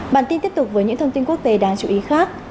bản tin tiếp tục với những thông tin quốc tế đáng chú ý khác